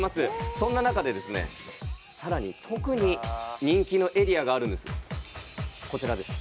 そんな中でさらに特に人気なエリアがあるんです。